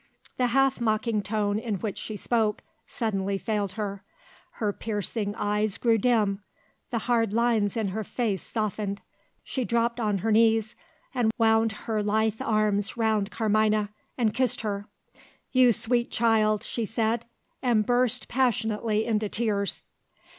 The half mocking tone in which she spoke, suddenly failed her. Her piercing eyes grew dim; the hard lines in her face softened. She dropped on her knees, and wound her lithe arms round Carmina, and kissed her. "You sweet child!" she said and burst passionately into tears.